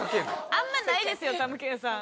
あんまないですよたむけんさん。